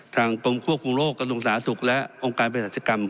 ทางกรมควบคุมโรคกระดุงสาสุขและองค์การเปลี่ยนศัตริกรรม